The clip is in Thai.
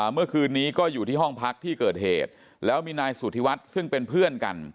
เมื่อคืนนี้ก็อยู่ที่ห้องพักที่เกิดเหตุแล้วมีนายสุธิวัฒน์ซึ่งเป็นเพื่อนกัน